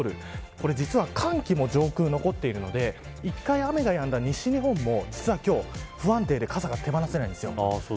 これ、実は寒気も上空に残っているので１回雨がやんだ西日本も実は今日は不安定で傘が手放せないんです。